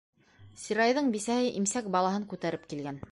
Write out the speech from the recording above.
Сирайҙың бисәһе имсәк балаһын күтәреп килгән.